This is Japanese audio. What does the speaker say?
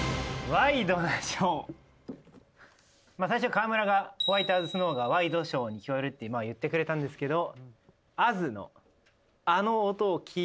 最初河村が「ｗｈｉｔｅａｓｓｎｏｗ」がワイドショーに聞こえるって言ってくれたんですけど。